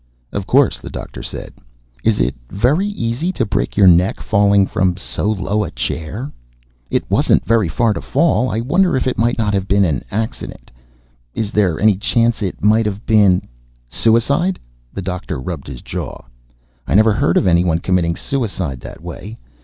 "Of course," the doctor said. "Is it very easy to break your neck, falling from so low a chair? It wasn't very far to fall. I wonder if it might not have been an accident. Is there any chance it might have been " "Suicide?" the doctor rubbed his jaw. "I never heard of anyone committing suicide that way.